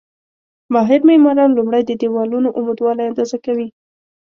ماهر معماران لومړی د دېوالونو عمودوالی اندازه کوي.